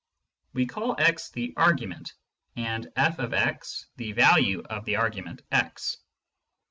We call x the " argument," and/* the " value for the argument x."